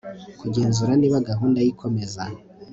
kugenzura niba gahunda y ikomeza